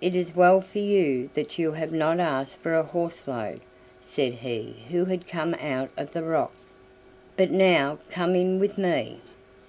"It is well for you that you have not asked for a horse load," said he who had come out of the rock. "But now come in with me."